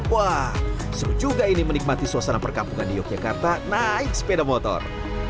wah seru juga ini menikmati suasana perkampungan di yogyakarta naik sepeda motor